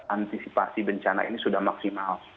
antisipasi bencana ini sudah maksimal